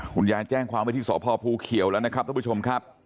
คุณยายแจ้งความไว้ที่สพภูเขียวแล้วนะครับท่านผู้ชมครับ